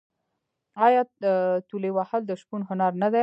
آیا تولې وهل د شپون هنر نه دی؟